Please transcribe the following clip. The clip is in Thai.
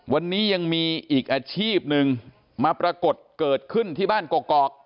วันนี้ยังมีอีกอาชีพหนึ่งมาปรากฏเกิดขึ้นที่บ้านกอก